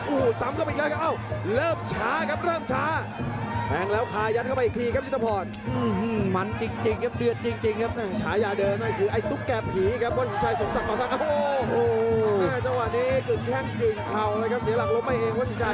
โอ้ซ้ำก็อีกแล้วครับอ้าวเริ่มช้าครับเริ่มช้า